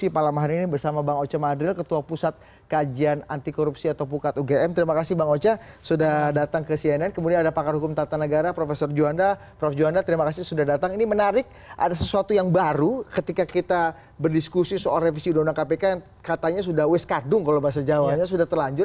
prof juwanda terima kasih sudah datang ini menarik ada sesuatu yang baru ketika kita berdiskusi soal revisi undang undang kpk yang katanya sudah wiskadung kalau bahasa jawanya sudah terlanjur